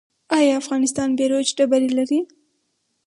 آیا افغانستان بیروج ډبرې لري؟